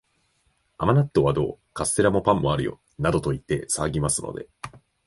甘納豆はどう？カステラも、パンもあるよ、などと言って騒ぎますので、